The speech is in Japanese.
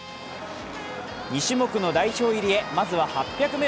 ２種目の代表入りへ、まずは８００ｍ。